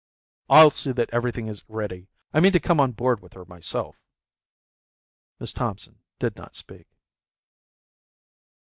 "I'll see that everything is ready. I mean to come on board with her myself." Miss Thompson did not speak.